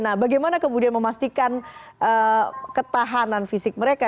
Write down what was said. nah bagaimana kemudian memastikan ketahanan fisik mereka